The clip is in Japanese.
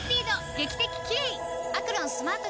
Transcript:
劇的キレイ！